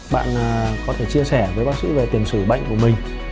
bạn có thể chia sẻ với bác sĩ về tiền sử bệnh của mình